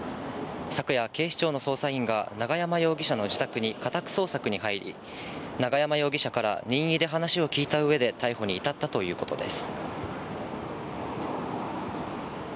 昨夜、警視庁の捜査員が永山容疑者の自宅に家宅捜索に入り、永山容疑者から任意で話を聞いた上で逮捕に至ったということです。